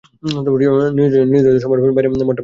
নিজের নির্ধারিত সময়ের বাইরে মরা বড্ড বিশ্রীকর ব্যাপার।